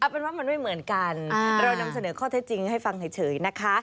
เป็นว่ามันไม่เหมือนกันเรานำเสนอข้อเท็จจริงให้ฟังเฉยนะคะ